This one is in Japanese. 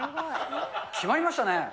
決まりましたね！